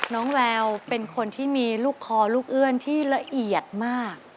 แววเป็นคนที่มีลูกคอลูกเอื้อนที่ละเอียดมาก